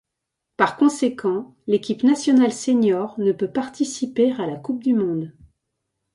Par conséquent, l'équipe nationale senior ne peut participer à la Coupe du monde.